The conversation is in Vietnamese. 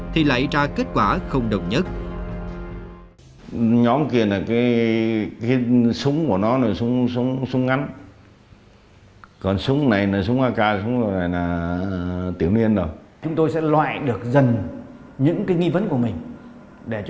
thì lại ra kết quả không đồng nhất